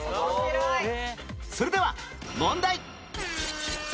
それでは問題